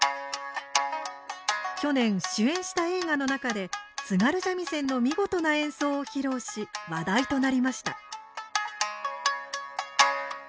去年主演した映画の中で津軽三味線の見事な演奏を披露し話題となりました。